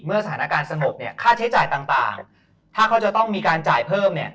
สถานการณ์สงบเนี่ยค่าใช้จ่ายต่างถ้าเขาจะต้องมีการจ่ายเพิ่มเนี่ย